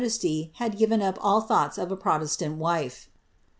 205 ity had given up all thoughts of a protestant wife.''